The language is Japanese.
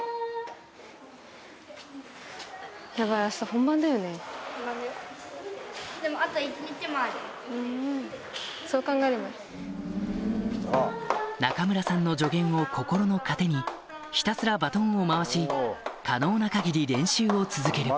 ララララ中村さんの助言を心の糧にひたすらバトンを回し可能な限り練習を続ける